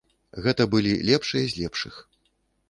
Гэта былі лепшыя з лепшых.